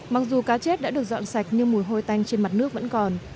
mặc dù cá chết đã được dọn sạch nhưng mùi hôi tanh trên mặt nước vẫn còn